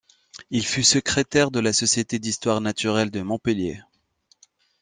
Il fut secrétaire de la Société d'histoire naturelle de Montpellier.